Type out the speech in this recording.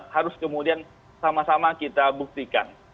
harus kemudian sama sama kita buktikan